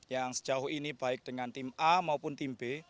yang sejauh ini baik dengan tim a maupun tim b